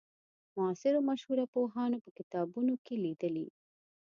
معاصرو مشهورو پوهانو په کتابونو کې لیدلې.